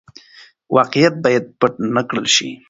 واقعيت بايد پټ نه کړل شي.